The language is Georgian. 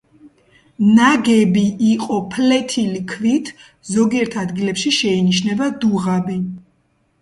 ნაგები იყო ფლეთილი ქვით, ზოგიერთ ადგილებში შეინიშნება დუღაბი.